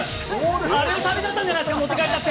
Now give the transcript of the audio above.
あれを食べちゃったんじゃないですか？